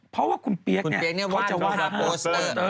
เพราะว่าคุณเปี๊ยกเนี่ยเขาจะว่าโปสเตอร์